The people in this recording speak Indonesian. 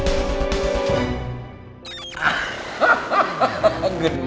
suasana hati siapa